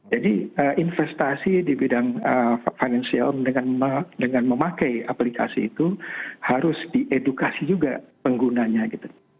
jadi investasi di bidang financial dengan memakai aplikasi itu harus diedukasi juga penggunanya gitu